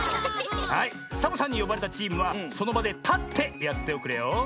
サボさんによばれたチームはそのばでたってやっておくれよ。